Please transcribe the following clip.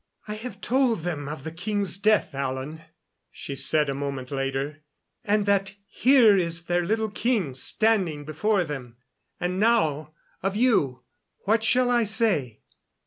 "I have told them of the king's death, Alan," she said a moment later, "and that here is their little king standing before them; And now, of you what shall I say?"